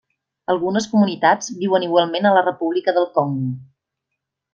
Algunes comunitats viuen igualment a la República del Congo.